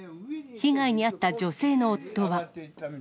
被害に遭った女性の夫は。